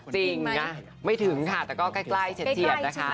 จริงนะไม่ถึงค่ะแต่ก็ใกล้เฉียดนะคะ